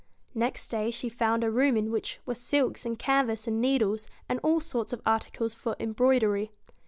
Next day she found a room in which were silks and canvas and needles, and all sorts of articles for embroidery.